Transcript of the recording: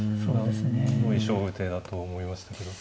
すごい勝負手だと思いましたけど。